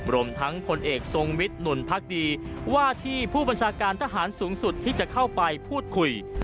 รวมทั้งผลเอกทรงวิทย์หนุนพักดีว่าที่ผู้บัญชาการทหารสูงสุดที่จะเข้าไปพูดคุย